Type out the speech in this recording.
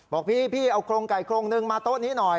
บอกพี่เอาโครงไก่โครงนึงมาโต๊ะนี้หน่อย